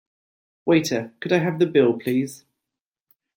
Waiter, could I have the bill please?